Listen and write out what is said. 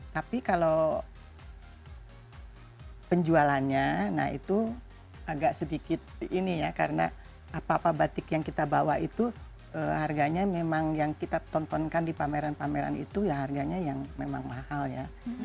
tapi kalau penjualannya nah itu agak sedikit ini ya karena apa apa batik yang kita bawa itu harganya memang yang kita tontonkan di pameran pameran itu ya harganya yang memang mahal ya